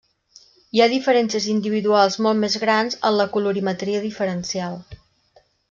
Hi ha diferències individuals molt més grans en la colorimetria diferencial.